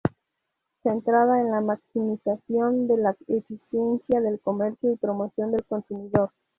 Centrada en la maximización de la eficiencia del comercio y promoción del consumidor.